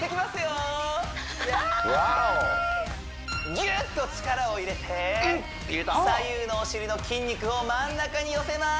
ギュッと力を入れて左右のお尻の筋肉を真ん中に寄せます